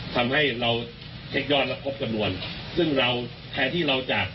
ทำให้เราเช็คยอดแล้วครบจำนวนซึ่งเราแทนที่เราจะ